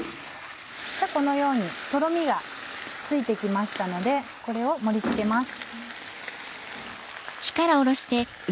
このようにとろみがついて来ましたのでこれを盛り付けます。